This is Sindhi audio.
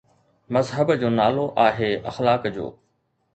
مذهب نالو آهي اخلاق جو.